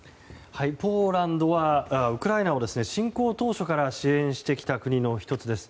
ポーランドはウクライナを侵攻当初から支援してきた国の１つです。